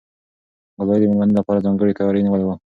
ګلالۍ د مېلمنو لپاره ځانګړی تیاری نیولی و.